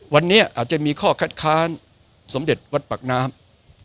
วันนี้อาจจะมีข้อคัดค้านสมเด็จวัดปากน้ำ